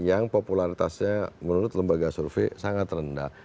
dan popularitasnya menurut lembaga survei sangat rendah